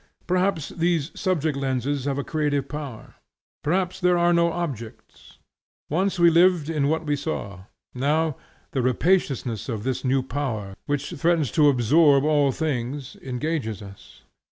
Perhaps these subject lenses have a creative power; perhaps there are no objects. Once we lived in what we saw; now, the rapaciousness of this new power, which threatens to absorb all things, engages us.